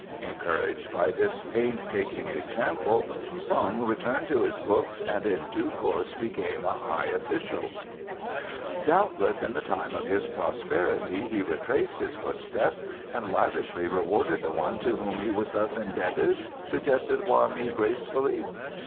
Encouraged by this painstaking example Tsung returned to his books and in due course became a high official." "Doubtless in the time of his prosperity he retraced his footsteps and lavishly rewarded the one to whom he was thus indebted," suggested Hoa mi gracefully.